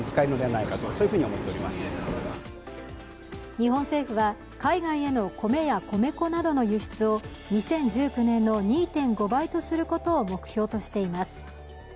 日本政府は、海外への米や米粉などの輸出を２０１９年の２．５倍とすることを目標としています。